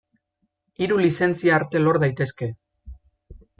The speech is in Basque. Hiru lizentzia arte lor daitezke.